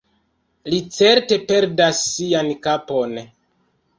Li certe perdas sian kapon.